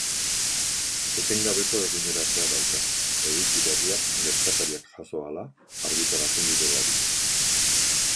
Etengabeko eguneratzea dauka, eduki berriak gertakariak jazo ahala argitaratzen direlarik.